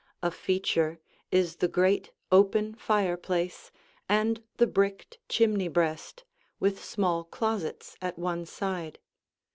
A feature is the great, open fireplace and the bricked chimney breast, with small closets at one side.